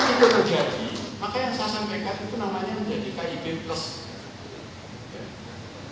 itu terjadi maka yang saya sampaikan itu namanya menjadi kib plus